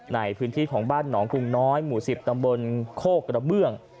ในพื้นที่ของบ้านหนองครุงน้อยหมู่๑๐ตำบลโคกกระเบื้อง